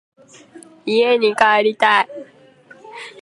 家に帰りたい。